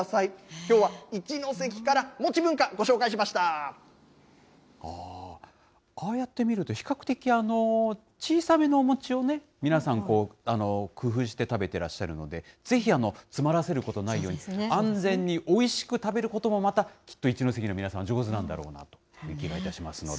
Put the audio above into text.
きょうは一関から餅文化、ご紹介ああやって見ると、比較的、小さめのお餅を皆さん、工夫して食べてらっしゃるので、ぜひ詰まらせることないように、安全においしく食べることも、また、きっと一関の皆さん、上手なんだろうなという気がいたしますので。